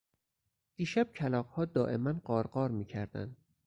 دیشب کلاغها دائما قارقار میکردند.